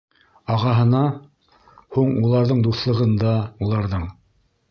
Ағаһына? һуң, уларҙың дуҫлығында, уларҙың